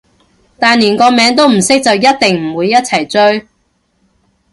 但連個名都唔識就一定唔會一齊追